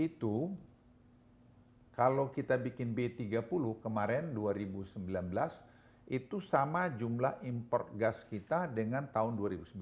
itu kalau kita bikin b tiga puluh kemarin dua ribu sembilan belas itu sama jumlah import gas kita dengan tahun dua ribu sembilan belas